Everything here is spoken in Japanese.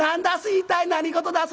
一体何事だす？」。